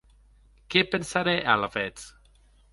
Qué pensarè alavetz?